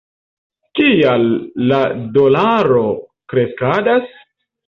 Kial la dolaro kreskadas?